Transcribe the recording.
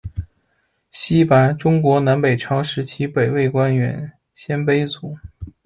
奚拔，中国南北朝时期北魏官员，鲜卑族。